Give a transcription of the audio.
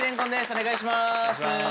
お願いします。